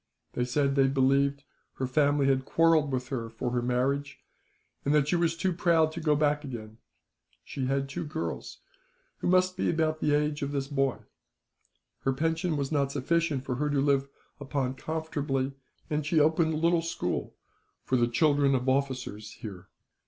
They said that they believed her family had quarrelled with her, for her marriage, and that she was too proud to go back again. She had two girls, who must be about the age of this boy. Her pension was not sufficient for her to live upon comfortably, and she opened a little school for the children of officers here.